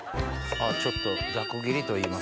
ちょっとザク切りといいますか。